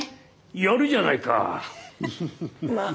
やるじゃないかあ。